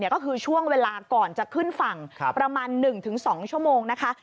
ก็คือช่วงเวลาก่อนจะขึ้นฝั่งประมาณ๑๒ชั่วโมงนะคะ